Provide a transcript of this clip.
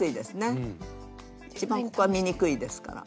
一番ここは見にくいですから。